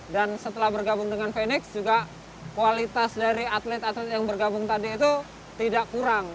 dan setelah bergabung dengan fenix juga kualitas dari atlet atlet yang bergabung tadi itu tidak kurang